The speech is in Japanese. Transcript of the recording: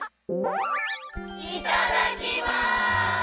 いただきます！